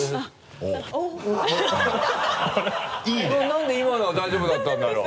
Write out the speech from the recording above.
なんで今のは大丈夫だったんだろう？